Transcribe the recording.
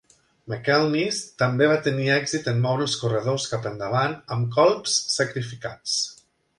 McInnis també va tenir èxit en moure els corredors cap endavant amb colps sacrificats.